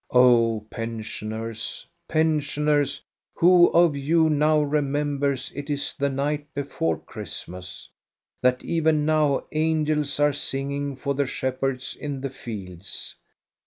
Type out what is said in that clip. Oh, pensioners, pensioners, who of you now re members it is the night before Christmas ; that even now angels are singing for the shepherds in the fields.